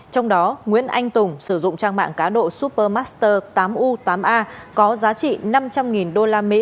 trong đó nguyễn anh tùng sử dụng trang mạng cá độ super master tám u tám a có giá trị năm trăm linh usd